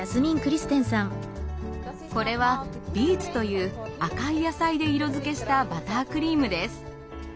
これはビーツという赤い野菜で色づけしたバタークリームです。